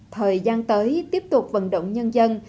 thời gian tới tiếp tục vận động nhân dân